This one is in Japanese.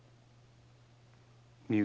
美雪。